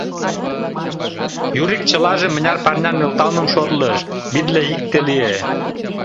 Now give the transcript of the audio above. Юрик чылаже мыняр парня нӧлталмым шотлыш, витле икте лие.